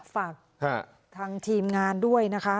ฝากทางทีมงานด้วยนะคะ